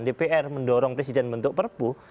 dpr mendorong presiden membentuk perpu